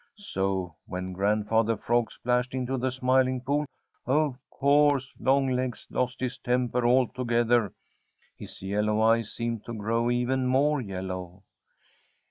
So when Grandfather Frog splashed into the Smiling Pool, of course Longlegs lost his temper altogether. His yellow eyes seemed to grow even more yellow.